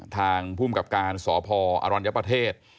ทางภูมิกับการสพอรัญญประเทศ